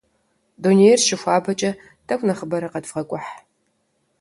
Дунейр щыхуабэкӏэ, тӏэкӏу нэхъыбэрэ къэдывгъэкӏухь.